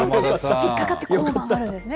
引っ掛かってこう曲がるんですよね。